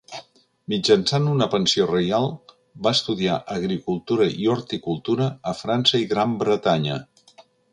Mitjançant una pensió reial va estudiar agricultura i horticultura a França i Gran Bretanya.